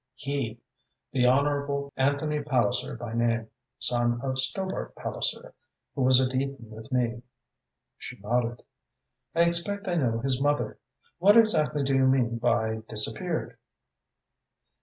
"He the Honourable Anthony Palliser by name, son of Stobart Palliser, who was at Eton with me." She nodded. "I expect I know his mother. What exactly do you mean by 'disappeared'?"